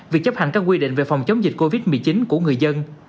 việc chấp hành các quy định về phòng chống dịch covid một mươi chín của người dân